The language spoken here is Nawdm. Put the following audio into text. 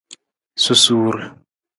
Susuur.